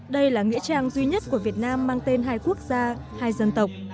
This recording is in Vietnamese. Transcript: đây là nghĩa trang duy nhất của việt nam mang tên hai quốc gia hai dân tộc